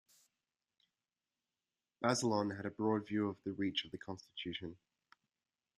Bazelon had a broad view of the reach of the Constitution.